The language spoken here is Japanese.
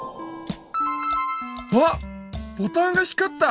あっボタンが光った！